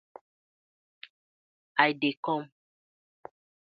I dey kom.